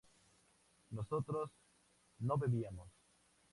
nosotros no bebíamos